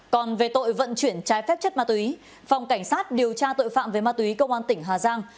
còn về tội vận chuyển trái phép chất ma túy phòng cảnh sát điều tra tội phạm về ma túy công an tỉnh hà giang